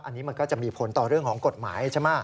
อันนี้มันก็จะมีผลต่อเรื่องของกฎหมายใช่ไหม